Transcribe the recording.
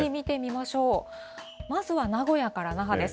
まずは名古屋から那覇です。